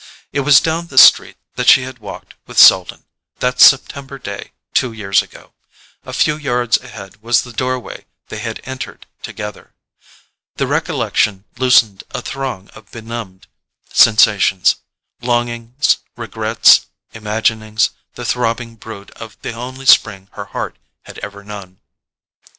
It was down this street that she had walked with Selden, that September day two years ago; a few yards ahead was the doorway they had entered together. The recollection loosened a throng of benumbed sensations—longings, regrets, imaginings, the throbbing brood of the only spring her heart had ever known.